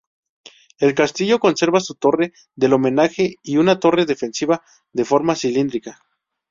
El castillo conserva su torre del homenaje y una torre defensiva de forma cilíndrica.